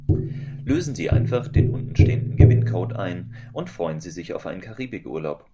Lösen Sie einfach den unten stehenden Gewinncode ein und freuen Sie sich auf einen Karibikurlaub.